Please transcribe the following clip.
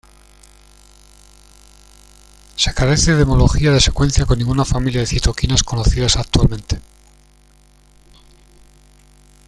Se carece de homología de secuencia con ninguna familia de citoquinas conocidas actualmente.